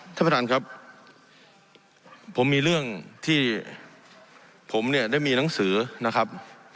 ท่านประธานครับผมมีเรื่องที่ผมเนี่ยได้มีหนังสือนะครับ